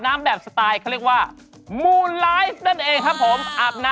ตามแอฟผู้ชมห้องน้ำด้านนอกกันเลยดีกว่าครับ